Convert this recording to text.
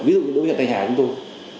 ví dụ đối với huyện thanh hà chúng tôi